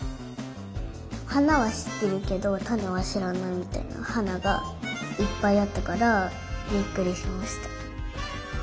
はなはしってるけどたねはしらないみたいなはながいっぱいあったからびっくりしました。